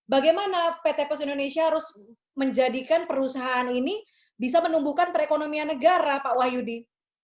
bagaimana pt pos indonesia harus menjadikan perusahaan ini bisa menumbuhkan perekonomian negara pak wahyudi